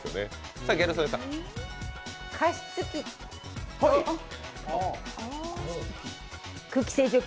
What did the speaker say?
加湿器。